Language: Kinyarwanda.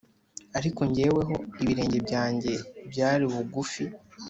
Ariko jyeweho ibirenge byanjye byari bugufi